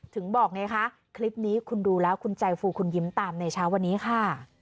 บอกไงคะคลิปนี้คุณดูแล้วคุณใจฟูคุณยิ้มตามในเช้าวันนี้ค่ะ